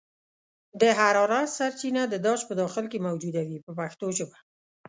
د حرارت سرچینه د داش په داخل کې موجوده وي په پښتو ژبه.